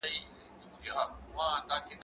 که وخت وي، موسيقي اورم،